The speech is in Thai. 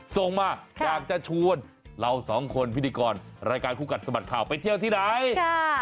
ส่งมาอยากจะชวนเราสองคนพิธีกรรายการคู่กัดสะบัดข่าวไปเที่ยวที่ไหน